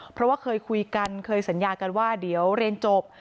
เพราะว่าเคยคุยกันเคยสัญญากันว่าเดี๋ยวเรียนจบ